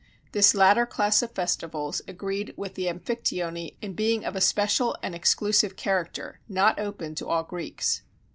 This later class of festivals agreed with the Amphictyony in being of a special and exclusive character, not open to all Greeks.